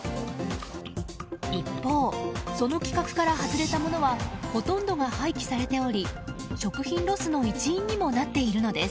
一方、その規格から外れたものはほとんどが廃棄されており食品ロスの一因にもなっているのです。